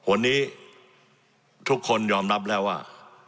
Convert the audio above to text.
วันนี้ทุกคนยอมรับแล้วว่า